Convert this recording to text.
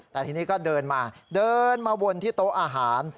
แต่ทีนี้ก็เดินมาเดินมาวนที่โต๊ะอาหาร